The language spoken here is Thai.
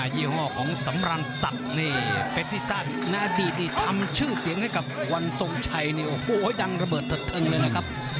ยี่ห้อของสำราญสัตว์เป็นที่สร้างในอดีตทำชื่อเสียงให้กับวันทรงชัยดังระเบิดทัดทึงเลยนะครับ